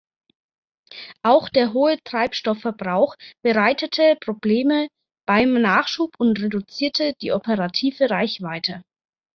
Auch der hohe Treibstoffverbrauch bereitete Probleme beim Nachschub und reduzierte die operative Reichweite.